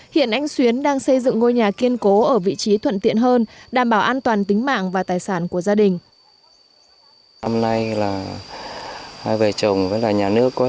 hiện anh xuyến đang xây dựng ngôi nhà kiên cố ở vị trí thuận tiện hơn đảm bảo an toàn tính mạng và tài sản của gia đình